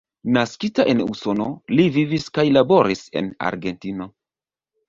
Naskita en Usono, li vivis kaj laboris en Argentino.